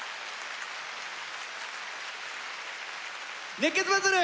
「熱血バトル」！